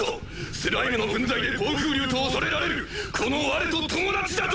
スライムの分際で暴風竜と恐れられるこの我と友達だと！？